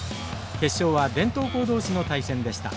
決勝は伝統校同士の対戦でした。